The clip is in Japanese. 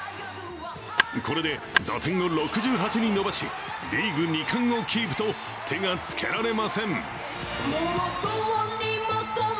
これで打点を６８に伸ばしリーグ２冠をキープと手がつけられません。